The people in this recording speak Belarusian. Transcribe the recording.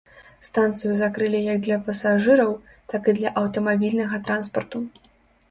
Станцыю закрылі як для пасажыраў, так і для аўтамабільнага транспарту.